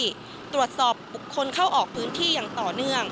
ตรวจสอบบุคคลเข้าออกพื้นที่อย่างต่อเนื่อง